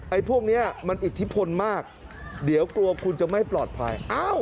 พวกนี้มันอิทธิพลมากเดี๋ยวกลัวคุณจะไม่ปลอดภัย